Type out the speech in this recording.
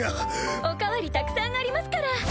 お代わりたくさんありますから！